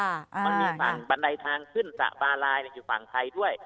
มันมีฝั่งบันไดทางขึ้นสระบาลายอยู่ฝั่งไทยด้วย